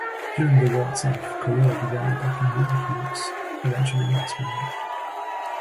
During the war itself, Korea began adopting the Arquebus, eventually mastering it.